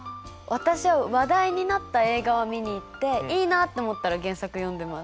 私は話題になった映画はみに行っていいなと思ったら原作読んでます。